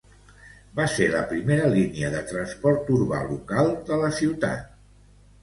Va ser la primera línia de transport urbà local de la ciutat.